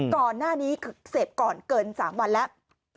ก่อนหน้านี้คือเสพก่อนเกิน๓วันแล้ว